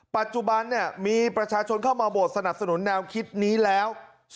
ปัจจุบันมีประชาชนเข้ามาโหวตสนับสนุนแนวคิดนี้แล้ว